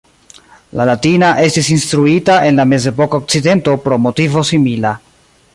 La latina estis instruita en la mezepoka Okcidento pro motivo simila.